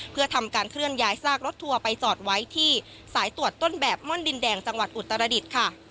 เพื่อทำการเคลื่อนย้ายซากรถทัวร์ไปจอดไว้ที่สายตรวจต้นแบบม่อนดินแดงจังหวัดอุตรดิษฐ์ค่ะ